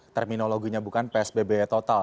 terminologinya bukan psbb total